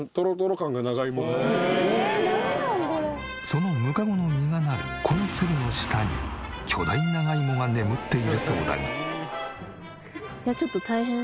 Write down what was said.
そのむかごの実がなるこのつるの下に巨大長芋が眠っているそうだが。